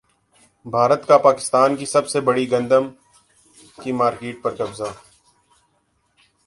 بھارت کا پاکستان کی سب سے بڑی گندم کی مارکیٹ پر قبضہ